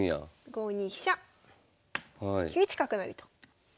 ５二飛車９一角成と。